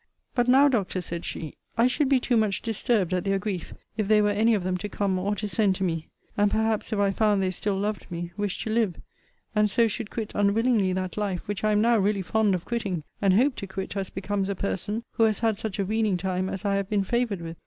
But now, Doctor, said she, I should be too much disturbed at their grief, if they were any of them to come or to send to me: and perhaps, if I found they still loved me, wish to live; and so should quit unwillingly that life, which I am now really fond of quitting, and hope to quit as becomes a person who has had such a weaning time as I have been favoured with.